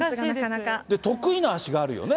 得意な足があるよね。